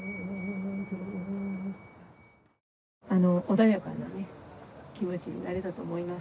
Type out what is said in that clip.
穏やかな気持ちになれたと思います。